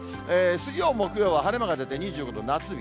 水曜、木曜は晴れ間が出て２５度、夏日。